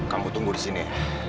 kamu tunggu di sini